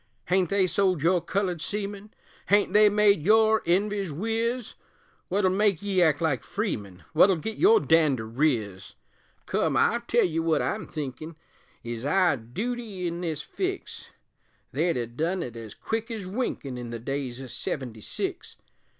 Hain't they sold your colored seamen? Hain't they made your env'ys wiz? Wut'll make ye act like freemen? Wut'll git your dander riz? Come, I'll tell ye wut I'm thinkin' Is our dooty in this fix, They'd ha' done 't ez quick ez winkin' In the days o' seventy six.